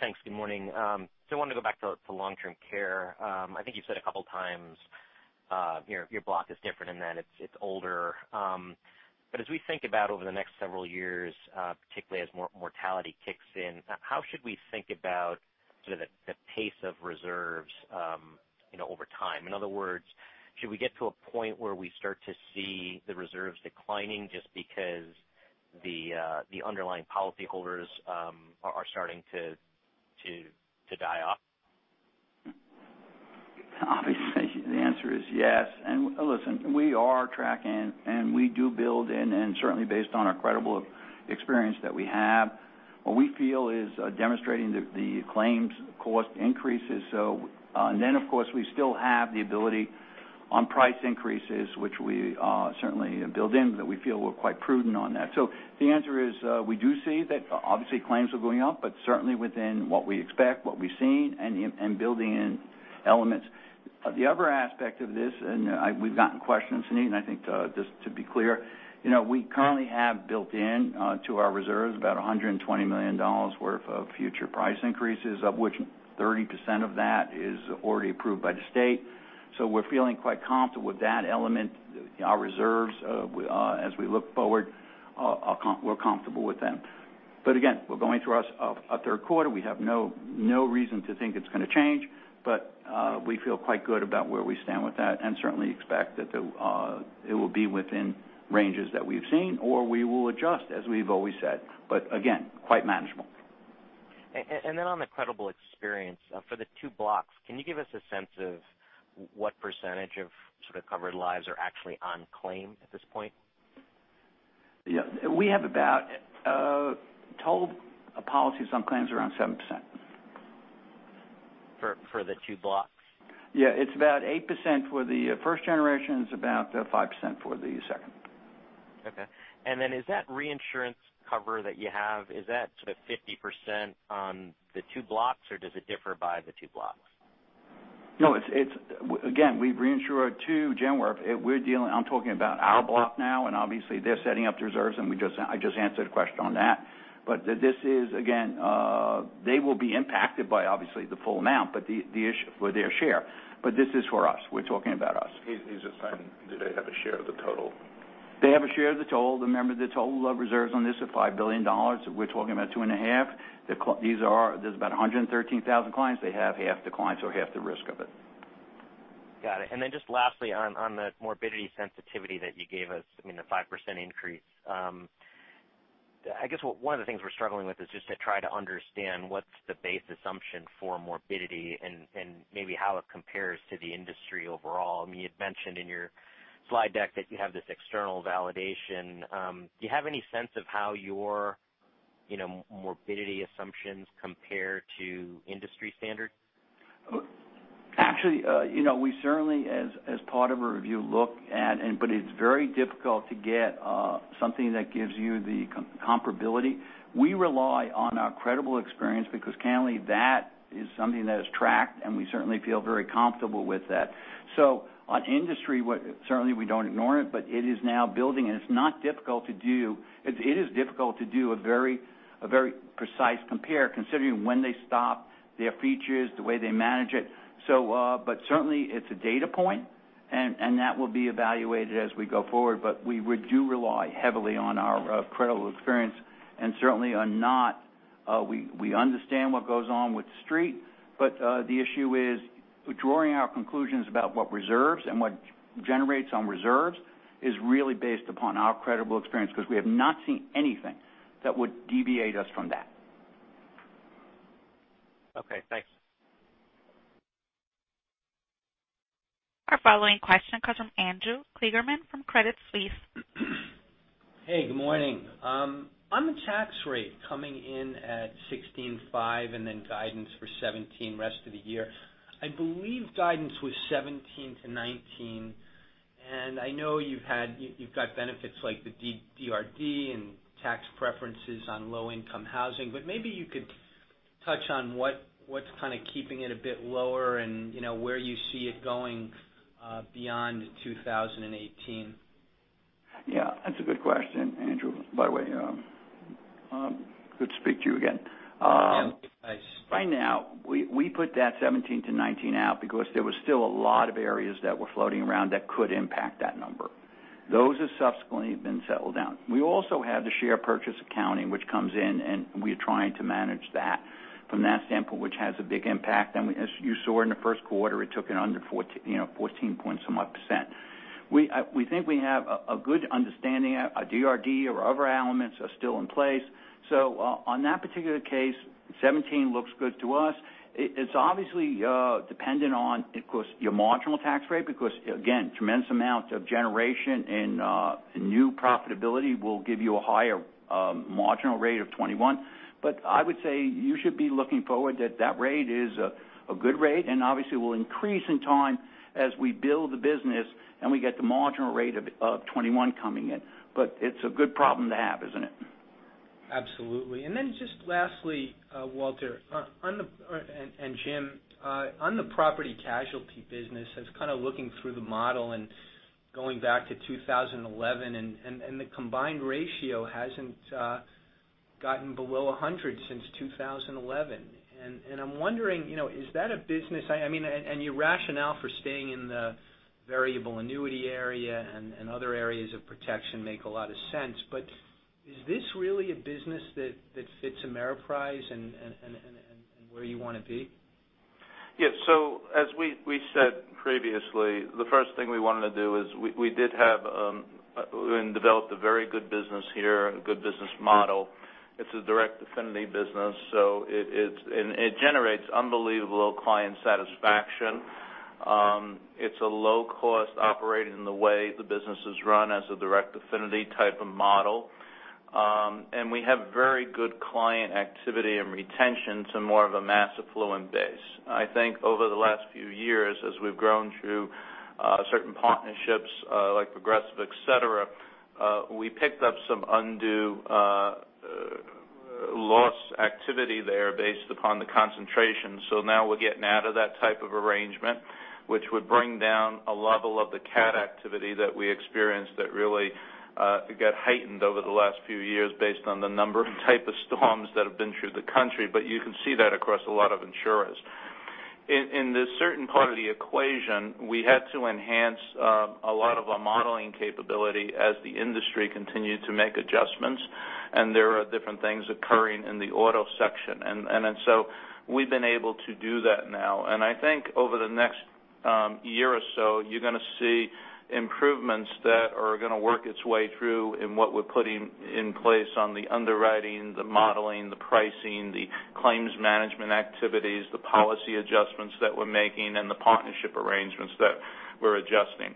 Thanks. Good morning. I want to go back to long-term care. I think you've said a couple times your block is different in that it's older. As we think about over the next several years, particularly as mortality kicks in, how should we think about sort of the pace of reserves over time? In other words, should we get to a point where we start to see the reserves declining just because the underlying policyholders are starting to die off? Obviously, the answer is yes. Listen, we are tracking, and we do build in, and certainly based on our credible experience that we have, what we feel is demonstrating the claims cost increases. Of course, we still have the ability on price increases, which we certainly build in, that we feel we're quite prudent on that. The answer is, we do see that obviously claims are going up, but certainly within what we expect, what we've seen, and building in elements. The other aspect of this, we've gotten questions, Suneet, and I think just to be clear, we currently have built in to our reserves about $120 million worth of future price increases, of which 30% of that is already approved by the state. We're feeling quite comfortable with that element. Our reserves, as we look forward, we're comfortable with them. Again, we're going through our third quarter. We have no reason to think it's going to change, but we feel quite good about where we stand with that and certainly expect that it will be within ranges that we've seen, or we will adjust, as we've always said. Again, quite manageable. On the credible experience for the two blocks, can you give us a sense of what percentage of sort of covered lives are actually on claim at this point? Yeah. We have about total policies on claims around 7%. For the two blocks? Yeah. It's about 8% for the first generation. It's about 5% for the second. Okay. Is that reinsurance cover that you have, is that sort of 50% on the two blocks, or does it differ by the two blocks? No. Again, we reinsure two, Jim, where we're dealing, I'm talking about our block now, and obviously they're setting up reserves, and I just answered a question on that. This is again, they will be impacted by obviously the full amount, but the issue for their share. This is for us, we're talking about us. He's asking, do they have a share of the total? They have a share of the total. Remember, the total reserves on this are $5 billion. We're talking about two and a half. There's about 113,000 clients. They have half the clients, so half the risk of it. Got it. Then just lastly, on the morbidity sensitivity that you gave us, I mean, the 5% increase. I guess one of the things we're struggling with is just to try to understand what's the base assumption for morbidity and maybe how it compares to the industry overall. I mean, you had mentioned in your slide deck that you have this external validation. Do you have any sense of how your morbidity assumptions compare to industry standard? Actually, we certainly as part of a review look at, but it's very difficult to get something that gives you the comparability. We rely on our credible experience because currently that is something that is tracked, and we certainly feel very comfortable with that. On industry, certainly we don't ignore it, but it is now building, and it's not difficult to do. It is difficult to do a very precise compare considering when they stop, their features, the way they manage it. Certainly, it's a data point, and that will be evaluated as we go forward. We do rely heavily on our credible experience. We understand what goes on with Street, but the issue is drawing our conclusions about what reserves and what generates on reserves is really based upon our credible experience because we have not seen anything that would deviate us from that. Okay, thanks. Our following question comes from Andrew Kligerman from Credit Suisse. The tax rate coming in at 16.5% and then guidance for 17% rest of the year, I believe guidance was 17%-19%. I know you've got benefits like the DRD and tax preferences on low-income housing. Maybe you could touch on what's kind of keeping it a bit lower and where you see it going beyond 2018. Yeah, that's a good question, Andrew. By the way, good to speak to you again. Yeah. Nice. We put that 17%-19% out because there was still a lot of areas that were floating around that could impact that number. Those have subsequently been settled down. We also have the share purchase accounting, which comes in, and we are trying to manage that from that standpoint, which has a big impact. As you saw in the first quarter, it took it under 14 point somewhat percent. We think we have a good understanding. Our DRD or other elements are still in place. On that particular case, 17% looks good to us. It's obviously dependent on, of course, your marginal tax rate because again, tremendous amount of generation and new profitability will give you a higher marginal rate of 21%. I would say you should be looking forward that that rate is a good rate and obviously will increase in time as we build the business and we get the marginal rate of 21 coming in. It's a good problem to have, isn't it? Absolutely. Then just lastly, Walter and Jim, on the property casualty business, I was kind of looking through the model and going back to 2011, and the combined ratio hasn't gotten below 100 since 2011. I'm wondering, is that a business? I mean, your rationale for staying in the variable annuity area and other areas of protection make a lot of sense. Is this really a business that fits Ameriprise and where you want to be? Yes. As we said previously, the first thing we wanted to do is we did have and developed a very good business here and a good business model. It's a direct affinity business. It generates unbelievable client satisfaction. It's a low-cost operating in the way the business is run as a direct affinity type of model. We have very good client activity and retention to more of a mass affluent base. I think over the last few years, as we've grown through certain partnerships like Progressive, et cetera, we picked up some undue loss activity there based upon the concentration. Now we're getting out of that type of arrangement, which would bring down a level of the cat activity that we experienced that really got heightened over the last few years based on the number and type of storms that have been through the country. You can see that across a lot of insurers. In this certain part of the equation, we had to enhance a lot of our modeling capability as the industry continued to make adjustments, and there are different things occurring in the auto section. We've been able to do that now. I think over the next year or so, you're going to see improvements that are going to work its way through in what we're putting in place on the underwriting, the modeling, the pricing, the claims management activities, the policy adjustments that we're making, and the partnership arrangements that we're adjusting.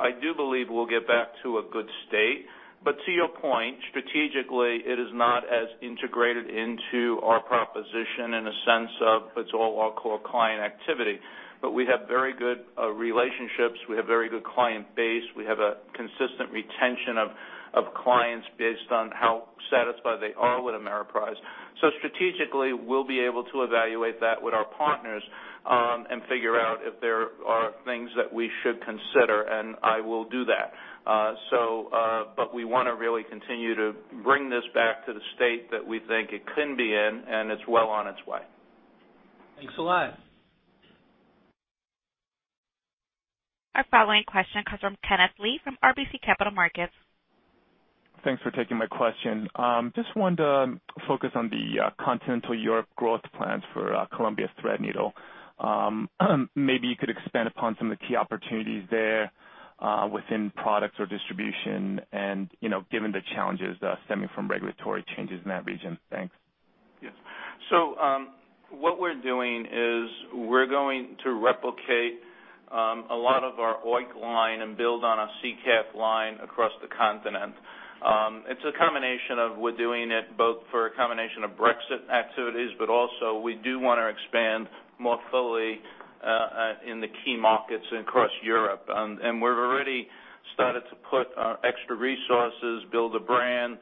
I do believe we'll get back to a good state. To your point, strategically, it is not as integrated into our proposition in a sense of it's all our core client activity. We have very good relationships, we have very good client base, we have a consistent retention of clients based on how satisfied they are with Ameriprise. Strategically, we'll be able to evaluate that with our partners and figure out if there are things that we should consider, and I will do that. We want to really continue to bring this back to the state that we think it can be in, and it's well on its way. Thanks a lot. Our following question comes from Kenneth Lee from RBC Capital Markets. Thanks for taking my question. Just wanted to focus on the Continental Europe growth plans for Columbia Threadneedle. Maybe you could expand upon some of the key opportunities there within products or distribution and given the challenges stemming from regulatory changes in that region. Thanks. Yes. What we're doing is we're going to replicate a lot of our OEIC line and build on a SICAV line across the continent. It's a combination of we're doing it both for a combination of Brexit activities, but also we do want to expand more fully in the key markets across Europe. We've already started to put extra resources, build a brand,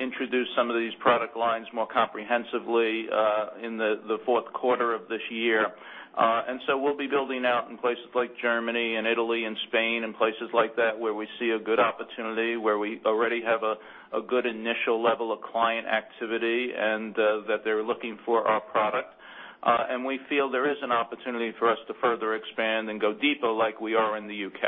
introduce some of these product lines more comprehensively in the fourth quarter of this year. We'll be building out in places like Germany and Italy and Spain and places like that where we see a good opportunity, where we already have a good initial level of client activity, and that they're looking for our product. We feel there is an opportunity for us to further expand and go deeper like we are in the U.K.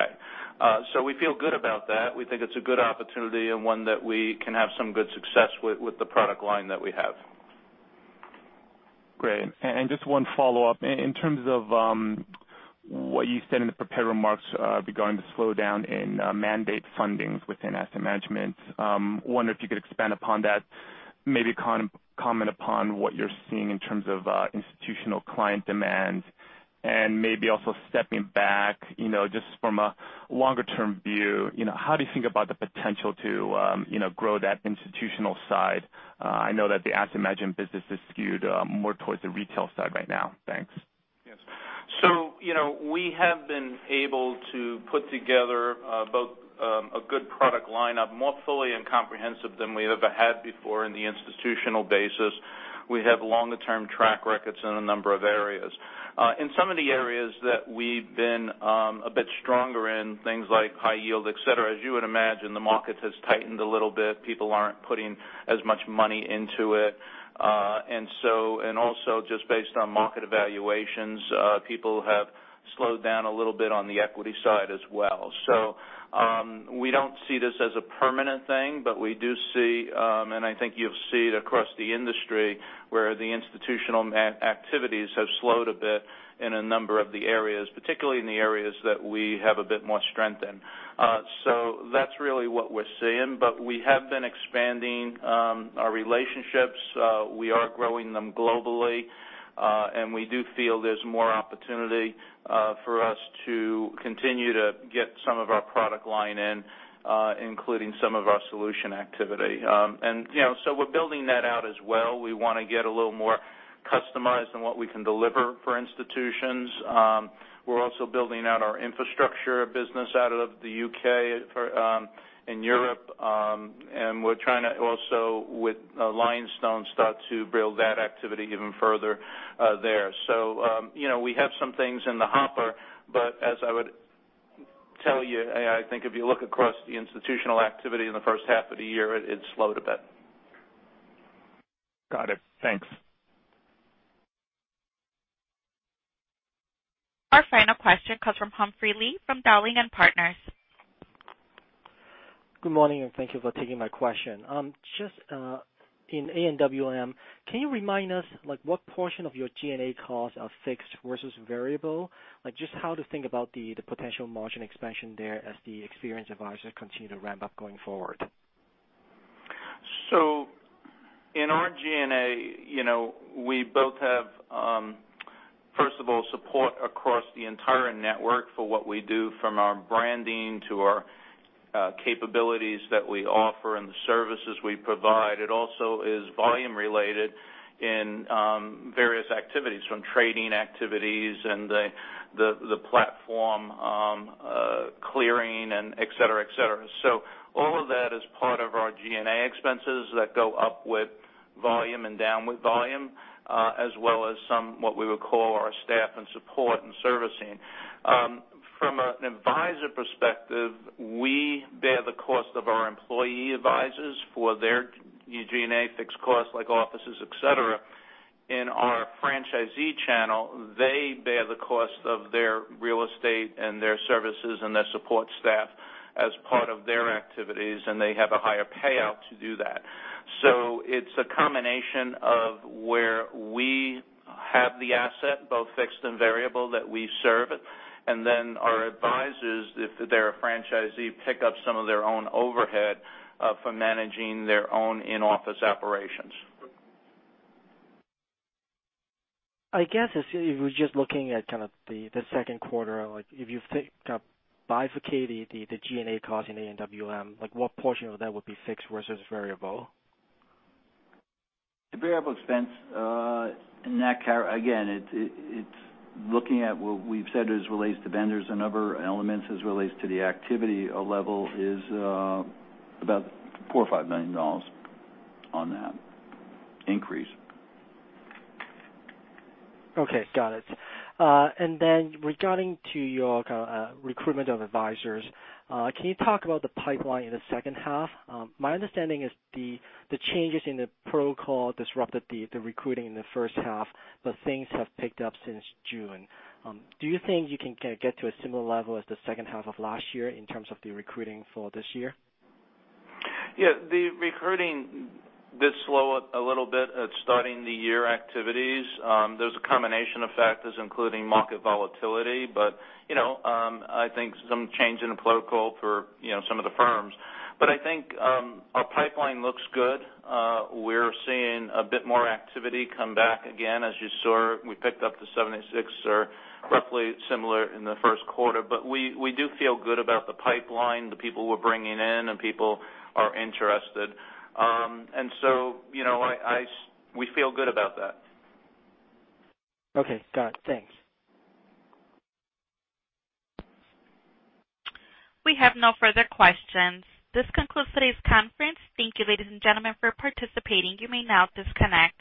We feel good about that. We think it's a good opportunity and one that we can have some good success with the product line that we have. Great. Just one follow-up. In terms of what you said in the prepared remarks regarding the slowdown in mandate fundings within asset management, wonder if you could expand upon that, maybe comment upon what you're seeing in terms of institutional client demands, and maybe also stepping back just from a longer-term view, how do you think about the potential to grow that institutional side? I know that the asset management business is skewed more towards the retail side right now. Thanks. Yes. We have been able to put together both a good product lineup, more fully and comprehensive than we ever had before in the institutional basis. We have longer term track records in a number of areas. In some of the areas that we've been a bit stronger in, things like high yield, et cetera, as you would imagine, the market has tightened a little bit. People aren't putting as much money into it. Also just based on market evaluations, people have slowed down a little bit on the equity side as well. We don't see this as a permanent thing, but we do see, and I think you'll see it across the industry, where the institutional activities have slowed a bit in a number of the areas, particularly in the areas that we have a bit more strength in. That's really what we're seeing. We have been expanding our relationships. We are growing them globally. We do feel there's more opportunity for us to continue to get some of our product line in, including some of our solution activity. We're building that out as well. We want to get a little more customized on what we can deliver for institutions. We're also building out our infrastructure business out of the U.K. and Europe. We're trying to also with Lionstone start to build that activity even further there. We have some things in the hopper, but as I would tell you, I think if you look across the institutional activity in the first half of the year, it slowed a bit. Got it. Thanks. Our final question comes from Humphrey Lee from Dowling & Partners. Good morning. Thank you for taking my question. Just in A&WM, can you remind us what portion of your G&A costs are fixed versus variable? Just how to think about the potential margin expansion there as the experience advisor continue to ramp up going forward. In our G&A, we both have, first of all, support across the entire network for what we do from our branding to our capabilities that we offer and the services we provide. It also is volume related in various activities, from trading activities and the platform clearing and et cetera. All of that is part of our G&A expenses that go up with volume and down with volume, as well as some, what we would call our staff and support and servicing. From an advisor perspective, we bear the cost of our employee advisors for their G&A fixed costs like offices, et cetera. In our franchisee channel, they bear the cost of their real estate and their services and their support staff as part of their activities, and they have a higher payout to do that. It's a combination of where we have the asset, both fixed and variable, that we serve, and then our advisors, if they're a franchisee, pick up some of their own overhead for managing their own in-office operations. I guess if we're just looking at the second quarter, if you think of bifurcating the G&A cost in AWM, what portion of that would be fixed versus variable? The variable expense in that, again, it's looking at what we've said as it relates to vendors and other elements as it relates to the activity level is about $4 million or $5 million on that increase. Okay. Got it. Regarding to your recruitment of advisors, can you talk about the pipeline in the second half? My understanding is the changes in the protocol disrupted the recruiting in the first half, but things have picked up since June. Do you think you can get to a similar level as the second half of last year in terms of the recruiting for this year? Yeah. The recruiting did slow a little bit at starting the year activities. There's a combination of factors, including market volatility, but I think some change in the protocol for some of the firms. I think our pipeline looks good. We're seeing a bit more activity come back again. As you saw, we picked up the 76 or roughly similar in the first quarter. We do feel good about the pipeline, the people we're bringing in, and people are interested. We feel good about that. Okay, got it. Thanks. We have no further questions. This concludes today's conference. Thank you, ladies and gentlemen, for participating. You may now disconnect.